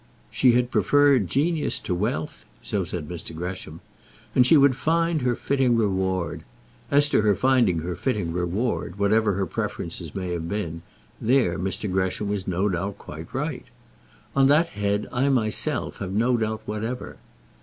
She had preferred genius to wealth, so said Mr. Gresham, and she would find her fitting reward. As to her finding her fitting reward, whatever her preferences may have been, there Mr. Gresham was no doubt quite right. On that head I myself have no doubt whatever.